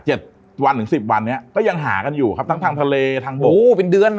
๗หรือ๑๐วันเนี้ยก็ยังหากันอยู่ครับทั้งทางทะเลทางบุค